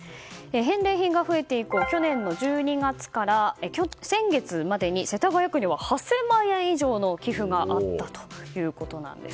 返礼品が増えて以降去年の１２月から先月までに世田谷区では８０００万円以上の寄付があったということなんです。